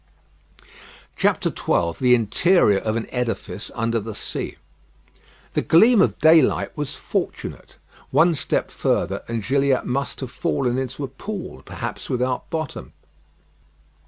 XII THE INTERIOR OF AN EDIFICE UNDER THE SEA The gleam of daylight was fortunate. One step further, and Gilliatt must have fallen into a pool, perhaps without bottom.